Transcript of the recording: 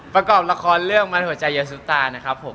ประกอบละครเรื่องมันหัวใจเยอะซุตานะครับผม